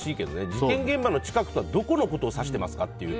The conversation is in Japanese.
事件現場の近くってどこのことを指してますかという。